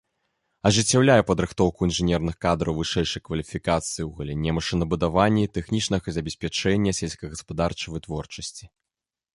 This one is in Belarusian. Ажыццяўляе падрыхтоўку інжынерных кадраў вышэйшай кваліфікацыі ў галіне машынабудавання і тэхнічнага забеспячэння сельскагаспадарчай вытворчасці.